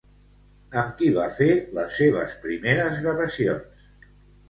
Amb qui va fer les seves primeres gravacions?